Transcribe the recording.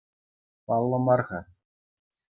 Паллӑ мар-ха.